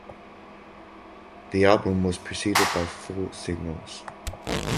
The album was preceded by four singles.